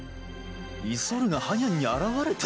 イ・ソルがハニャンに現れた？